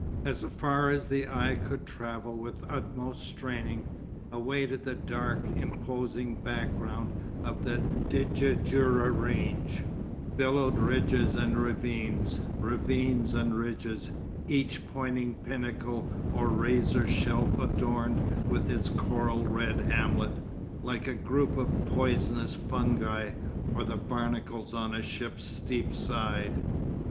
As far as the eye could travel with utmost straining, away to the dark, imposing background of the Djurdjura range, billowed ridges and ravines, ravines and ridges, each pointing pinnacle or razor shelf adorned with its coral red hamlet, like a group of poisonous fungi, or the barnacles on a ship's steep side.